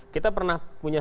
kita pernah punya sejarah